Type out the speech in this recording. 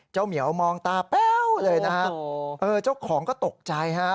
เจ้าเหมียวมองตาแป๊วเลยนะเออเจ้าของก็ตกใจครับ